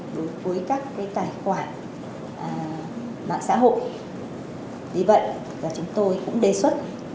với các tài khoản mạng xã hội vì vậy chúng tôi cũng đề xuất